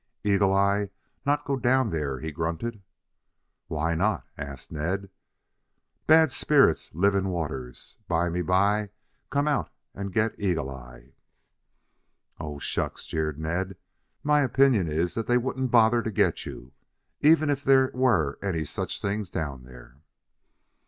"Eagle eye not go down there," he grunted. "Why not?" asked Ned. "Bad spirits live in waters. Bymeby come out and get Eagle eye." "Oh, shucks!" jeered Ned. "My opinion is that they wouldn't bother to get you, even if there were any such things down there."